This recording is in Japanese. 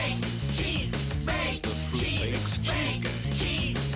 チーズ！